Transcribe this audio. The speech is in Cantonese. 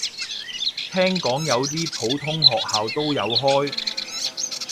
聽講有啲普通學校都有開